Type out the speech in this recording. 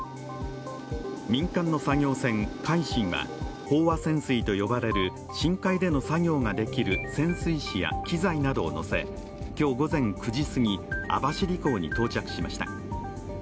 民間の作業船「海進」は飽和潜水と呼ばれる深海での作業ができる潜水士や機材などをのせ今日午前９時すぎ、網走港に到着しました。